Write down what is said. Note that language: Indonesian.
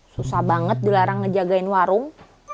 susah banget dilarang ngejagain warung